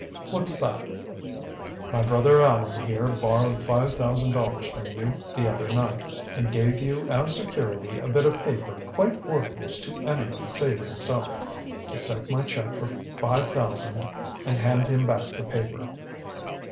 "What's that?" "My brother Allan here borrowed five thousand dollars from you the other night, and gave you as security a bit of paper quite worthless to any one save himself. Accept my check for five thousand and hand him back the paper."